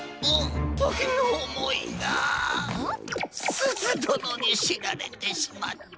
すずどのにしられてしまった！？